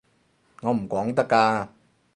我唔講得㗎